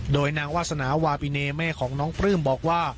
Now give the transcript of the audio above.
โดยนางวาสนาวาปิเนแม่ของน้องปลื้มบอกว่า